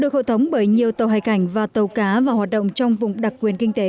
được hội thống bởi nhiều tàu hải cảnh và tàu cá vào hoạt động trong vùng đặc quyền kinh tế